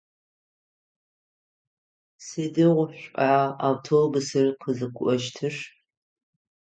Сыдигъу шӏуа автобусыр къызыкӏощтыр?